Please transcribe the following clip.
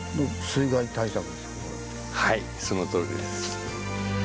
はいそのとおりです。